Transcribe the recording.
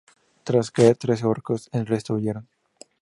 Tras caer trece orcos, el resto huyeron.